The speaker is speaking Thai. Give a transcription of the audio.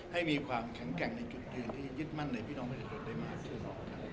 ให้มีความแข็งแกร่งในจุดยืนที่ยึดมั่นในพี่น้องประชาชนได้มาสู้ต่อกัน